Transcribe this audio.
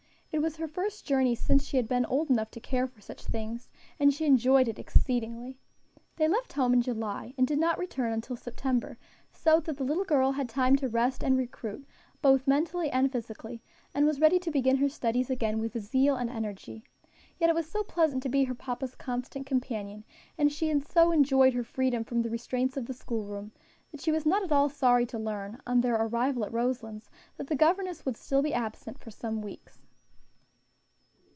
It was her first journey since she had been old enough to care for such things, and she enjoyed it exceedingly. They left home in July, and did not return until September, so that the little girl had time to rest and recruit, both mentally and physically, and was ready to begin her studies again with zeal and energy; yet it was so pleasant to be her papa's constant companion, and she had so enjoyed her freedom from the restraints of the school room, that she was not at all sorry to learn, on their arrival at Roselands, that the governess would still be absent for some weeks.